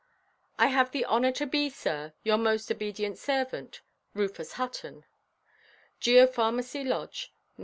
"I have the honour to be, Sir, "Your most obedient Servant, "RUFUS HUTTON. "Geopharmacy Lodge, Nov.